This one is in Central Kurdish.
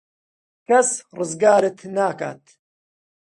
کەس ڕزگارت ناکات.